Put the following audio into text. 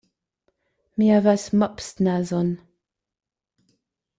Mi havas mopsnazon.